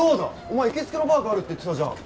お前行きつけのバーがあるって言ってたじゃん